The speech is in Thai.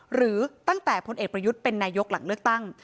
หรือตั้งแต่พลเอกประยุทธ์เป็นนายกหลังเลือกตั้ง